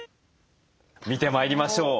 見てまいりましょう。